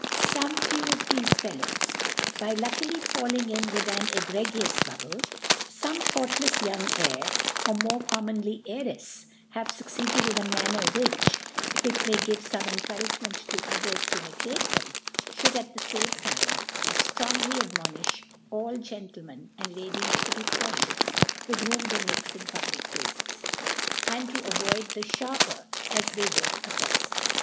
Some few of thefe Fellows, by luckily falling in with an egregious Bubble, fome thoughtlcfs young Heir, or more common ly Heirefs, have fucccedcd in a manner, which, if it may give fome Encouragement to others to imitate them, fbould, at the fame time, as ftrongly admonifhall Gentle men and Ladies to be cautious with whom they mix in public Places, and to avoid the Sharper as they would a Pcft.